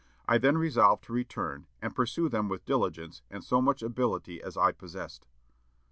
I then resolved to return, and pursue them with diligence and so much ability as I possessed."